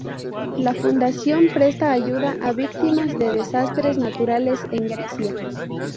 La fundación presta ayuda a víctimas de desastres naturales en Grecia.